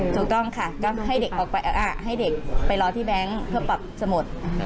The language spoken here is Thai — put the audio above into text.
ถูกต้องค่ะก็ให้เด็กไปรอที่แบงค์เพื่อปรับสมุด